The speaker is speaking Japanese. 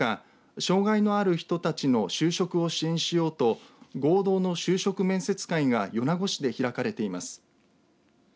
障害のある人たちの就職を支援しようと合同の就職面接会が米子市で開かれています。